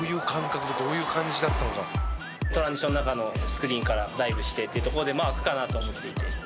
トランジションの中のスクリーンからダイブしてっていうところで空くかなと思っていて。